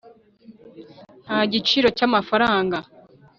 Nta giciro cy'amafaranga.